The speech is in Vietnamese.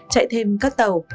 chạy thêm các tàu